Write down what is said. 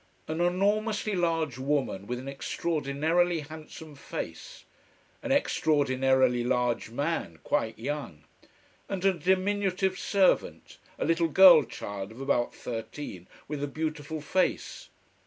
An enormously large woman with an extraordinarily handsome face: an extraordinarily large man, quite young: and a diminutive servant, a little girl child of about thirteen, with a beautiful face.